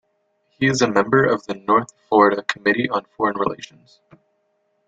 He is a member of the North Florida Committee on Foreign Relations.